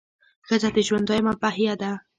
ښځه د ژوند دویمه پهیه ده.